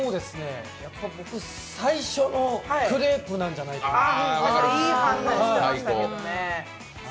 僕、最初のクレープなんじゃないかなと。